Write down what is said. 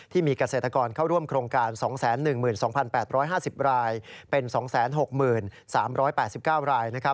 ที่มีเกษตรกรเข้าร่วมโครงการ๒๑๒๘๕๐รายเป็น๒๖๓๘๙ราย